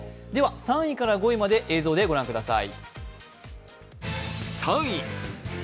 ３位から５位まで映像でご覧ください。